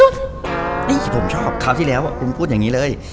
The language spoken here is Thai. นี่ผมชอบคราวที่แล้วคุณพูดอย่างนี้เลย